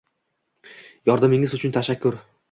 Yordamingiz uchun tashakkur!